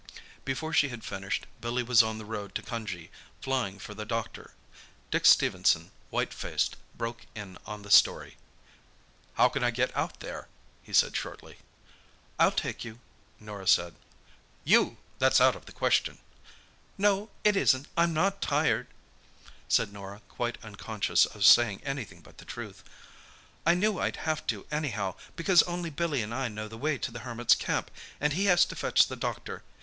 Before she had finished Billy was on the road to Cunjee, flying for the doctor. Dick Stephenson, white faced, broke in on the story. "How can I get out there?" he asked shortly. "I'll take you," Norah said. "You!—that's out of the question." "No, it isn't. I'm not tired," said Norah, quite unconscious of saying anything but the truth. "I knew I'd have to, anyhow, because only Billy and I know the way to the Hermit's camp, and he has to fetch the doctor.